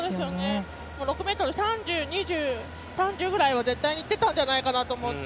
６ｍ３０ぐらいは絶対にいっていたんじゃないかなと思って。